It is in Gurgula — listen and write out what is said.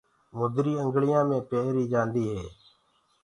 مُدري انگݪِيآ مي پيريٚ جآنٚديٚ هي